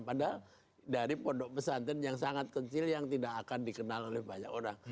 padahal dari pondok pesantren yang sangat kecil yang tidak akan dikenal oleh banyak orang